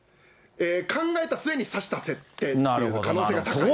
考えた末に指した設定っていう可能性が高いです。